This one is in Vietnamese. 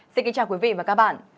xin kính chào quý vị và các bạn